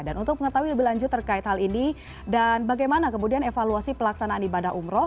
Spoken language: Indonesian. dan untuk mengetahui lebih lanjut terkait hal ini dan bagaimana kemudian evaluasi pelaksanaan ibadah umroh